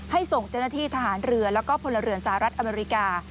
ส่งเจ้าหน้าที่ทหารเรือแล้วก็พลเรือนสหรัฐอเมริกา